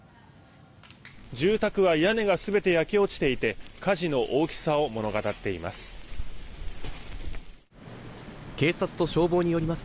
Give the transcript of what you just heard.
住宅は屋根が全て焼け落ちていて火事の大きさを物語っています。